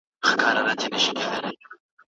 توره کچۍ غوا له پادې ستنه شوه